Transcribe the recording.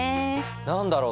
何だろう？